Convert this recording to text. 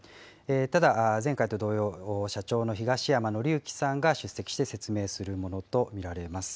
ただ、前回と同様、社長の東山紀之さんが出席して説明するものと見られます。